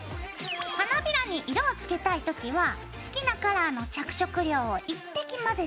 花びらに色を付けたい時は好きなカラーの着色料を１滴混ぜて。